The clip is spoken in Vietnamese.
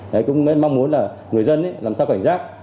đấy cũng mong muốn là người dân làm sao cảnh giác